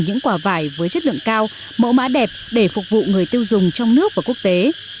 những quả vải với chất lượng cao mẫu mã đẹp để phục vụ người tiêu dùng trong nước và quốc tế